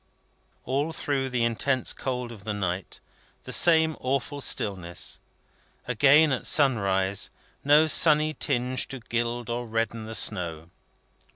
All through the intense cold of the night, the same awful stillness. Again at sunrise, no sunny tinge to gild or redden the snow.